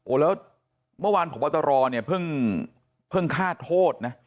โอ้แล้วเมื่อวานของพระบัตรรอเพิ่งฆ่าโทษนะ